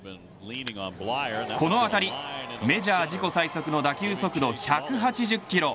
この当たりメジャー自己最速の打球速度１８０キロ。